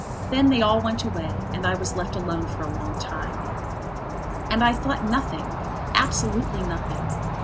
Then they all went away and I was left alone for a long time. And I thought nothing; absolutely nothing.